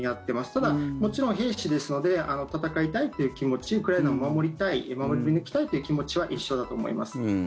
ただ、もちろん兵士ですので戦いたいという気持ちウクライナを守りたい守り抜きたいという気持ちは一緒だと思います。